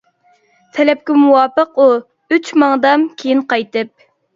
تەلەپكە مۇۋاپىق ئۇ، ئۈچ ماڭدام كېيىن قايتىپ.